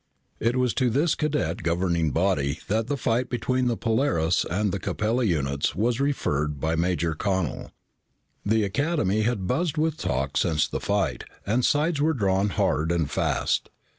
It was to this cadet governing body that the fight between the Polaris and the Capella units was referred by Major Connel. The Academy had buzzed with talk since the fight, and sides were drawn hard and fast.